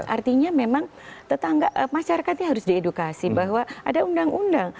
artinya memang tetangga masyarakatnya harus diedukasi bahwa ada undang undang